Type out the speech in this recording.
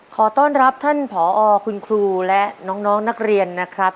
ขอต้อนรับท่านผอคุณครูและน้องนักเรียนนะครับ